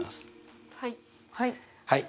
はい。